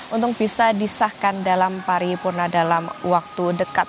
untuk bisa disahkan dalam paripurna dalam waktu dekat